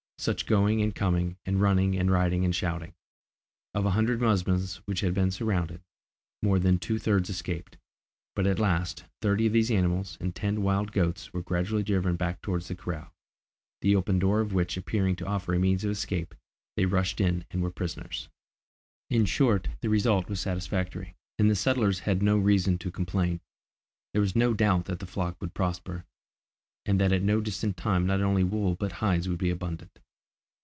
Such going and coming, and running and riding and shouting! Of a hundred musmons which had been surrounded, more than two thirds escaped, but at last, thirty of these animals and ten wild goats were gradually driven back towards the corral, the open door of which appearing to offer a means of escape, they rushed in and were prisoners. In short, the result was satisfactory, and the settlers had no reason to complain. There was no doubt that the flock would prosper, and that at no distant time not only wool but hides would be abundant.